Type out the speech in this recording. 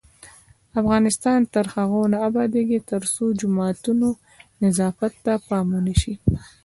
افغانستان تر هغو نه ابادیږي، ترڅو د جوماتونو نظافت ته پام ونشي.